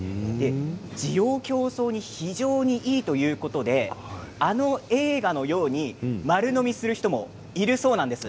滋養強壮に非常にいいということであの映画のように丸飲みする人がいるそうなんです。